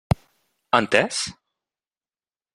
Entès?